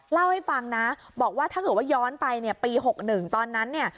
เล่าให้ฟังนะบอกว่าถ้าเกิดว่าย้อนไปเนี่ยปี๖๑ตอนนั้นเนี่ย